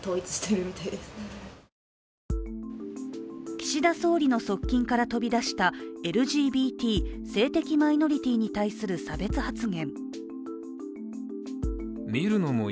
岸田総理の側近から飛び出したＬＧＢＴ＝性的マイノリティに対する差別発言。